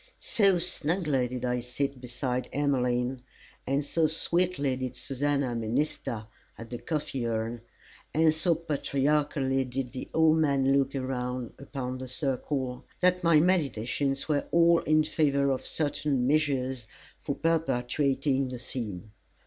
So snugly did I sit beside Emmeline, and so sweetly did Susannah minister at the coffee urn, and so patriarchally did the old man look around upon the circle, that my meditations were all in favour of certain measures for perpetuating the scene.